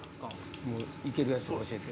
もういけるやつ教えて。